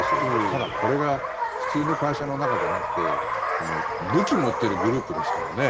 ただ、これが普通の会社の中じゃなくて武器を持っているグループですからね。